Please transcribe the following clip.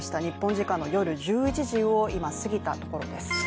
日本時間の夜１１時を過ぎたところです。